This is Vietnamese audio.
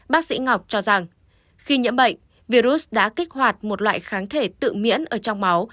bác sĩ ngọc cho rằng khi nhiễm bệnh virus đã kích hoạt một loại kháng thể tự miễn ở trong máu